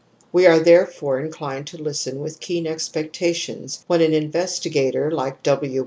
) We are therefore inclined to listen with keen expectations when an investigator like W.